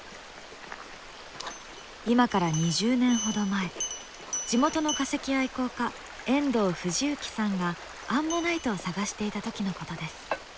今から２０年ほど前地元の化石愛好家遠藤富士幸さんがアンモナイトを探していた時のことです。